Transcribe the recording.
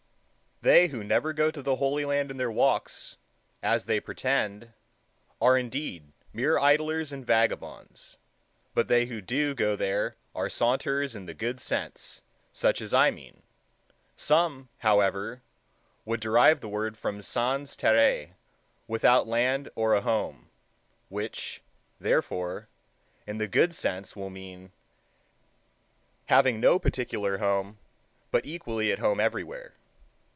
They who never go to the Holy Land in their walks, as they pretend, are indeed mere idlers and vagabonds; but they who do go there are saunterers in the good sense, such as I mean. Some, however, would derive the word from sans terre without land or a home, which, therefore, in the good sense, will mean, having no particular home, but equally at home everywhere.